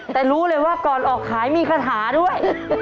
แต่รู้เลยว่าก่อนออกขายมีคาถาด้วย